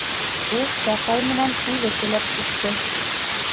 Ул Чапай менән үҙе теләп китте.